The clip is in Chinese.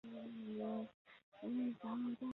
知制诰。